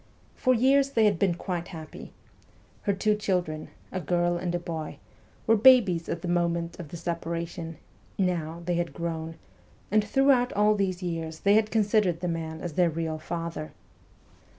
For years they had been quite happy. Her two children a girl and a boy were babies at the moment of the separation ; now, they had grown, and throughout all these years they had considered the man as their real father.